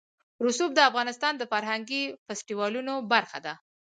رسوب د افغانستان د فرهنګي فستیوالونو برخه ده.